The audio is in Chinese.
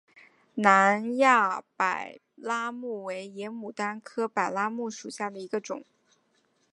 南亚柏拉木为野牡丹科柏拉木属下的一个种。